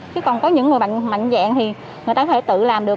chứ còn có những người bệnh mạnh dạng thì người ta có thể tự làm được